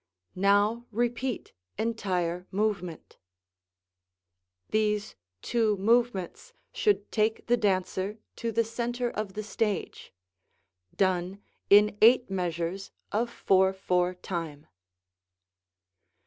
Now repeat entire movement. These two movements should take the dancer to the centre of the stage; done in eight measures of 4/4 time.